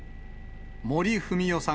森文代さん